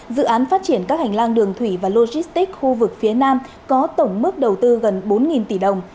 dự án phát triển các hành lang đường thủy và logistics khu vực phía nam có tổng mức đầu tư gần bốn tỷ đồng